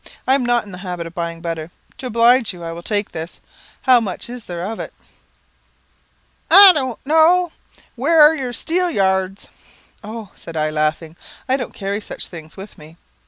I am not in the habit of buying butter. To oblige you, I will take this. How much is there of it?" "I don't know. Where are your steelyards?" "Oh," said I, laughing, "I don't carry such things with me.